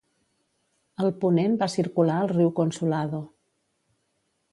Al ponent va circular el riu Consulado.